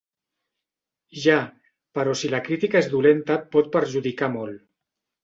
Ja, però si la crítica és dolenta et pot perjudicar molt.